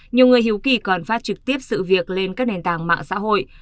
nhiều người hiếu kỳ còn phát trực tiếp sự việc lên các nền tảng mạng xã hội